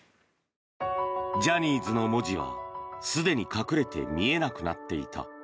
ジャニーズの文字はすでに隠れて見えなくなっていた。